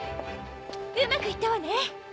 うまくいったわね。